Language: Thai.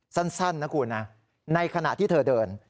สั้นนะคุณนะในขณะที่เธอเดิน